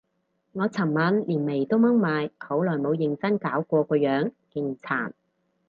我尋晚連眉都掹埋，好耐冇認真搞過個樣，勁殘